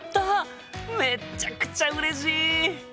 めっちゃくちゃうれしい！